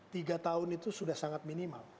tiga tahun itu sudah sangat minimal